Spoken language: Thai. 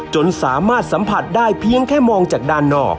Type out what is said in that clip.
จนสามารถสัมผัสได้เพียงแค่มองจากด้านนอก